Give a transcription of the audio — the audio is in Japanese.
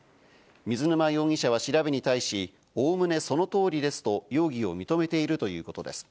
水沼容疑者は調べに対し、おおむねその通りですと容疑を認めているということです。